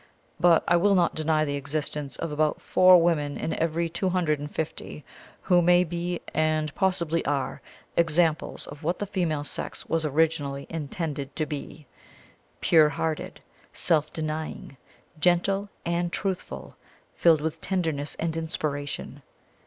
But I will not deny the existence of about four women in every two hundred and fifty, who may be, and possibly are, examples of what the female sex was originally intended to be pure hearted, self denying, gentle and truthful filled with tenderness and inspiration.